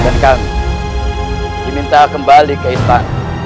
dan kami diminta kembali ke istana